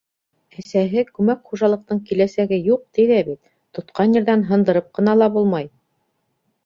Әсәһе күмәк хужалыҡтың киләсәге юҡ, ти ҙә бит - тотҡан ерҙән һындырып ҡына ла булмай.